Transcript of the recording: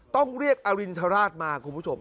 ต้องเรียกอรินทราชมาคุณผู้ชม